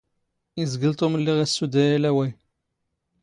ⵉⵣⴳⵍ ⵜⵓⵎ ⵍⵍⵉⴳ ⵉⵙⵙⵓⴷⴰ ⴰⵍⴰⵡⴰⵢ.